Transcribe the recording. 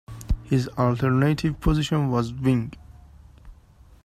His alternative position was wing.